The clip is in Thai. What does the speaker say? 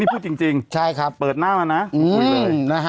ลองอยู่เลยจริงนี่พูดจริงเปิดหน้ามานะพูดเลย